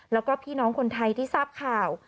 แล้วก็พี่น้องคนไทยที่ทราบข่าว